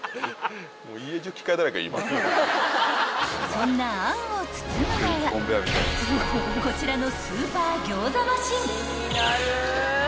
［そんな餡を包むのはこちらの］